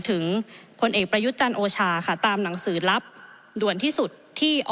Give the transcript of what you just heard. พลเอกประยุทธ์จันทร์โอชาค่ะตามหนังสือลับด่วนที่สุดที่